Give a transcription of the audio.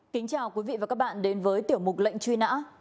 kính chào quý vị và các bạn đến với tiểu mục lệnh truy nã